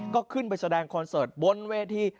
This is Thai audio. ก็ขึ้นไปแสดงคอนเสิร์ตบนเวที